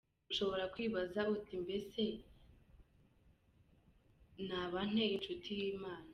Ushobora kwibaza uti mbese naba nte inshuti y'Imana?.